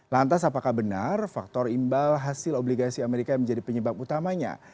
lantas apakah benar faktor imbal hasil obligasi amerika yang menjadi penyebab utamanya